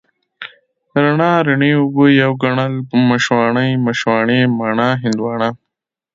رڼا، رڼې اوبه، يو ګڼل، مشواڼۍ، مشواڼې، مڼه، هندواڼه،